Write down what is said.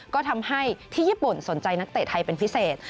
ก็ทำให้ที่ญี่ปุ่นสนใจนักเตะไทยเป็นพิเศษ